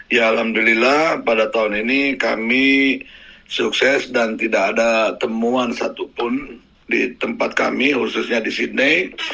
ya alhamdulillah pada tahun ini kami sukses dan tidak ada temuan satupun di tempat kami khususnya di sydney